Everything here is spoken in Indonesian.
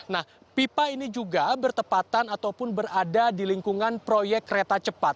nah pipa ini juga bertepatan ataupun berada di lingkungan proyek kereta cepat